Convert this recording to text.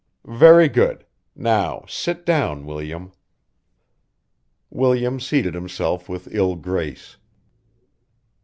"Very good! Now, sit down, William." William seated himself with ill grace.